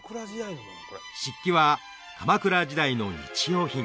漆器は鎌倉時代の日